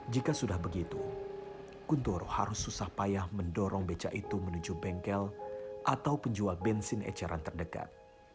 jika sudah begitu guntoro harus susah payah mendorong beca itu menuju bengkel atau penjual bensin eceran terdekat